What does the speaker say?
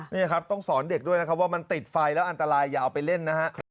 นี่ครับต้องสอนเด็กด้วยนะครับว่ามันติดไฟแล้วอันตรายอย่าเอาไปเล่นนะฮะ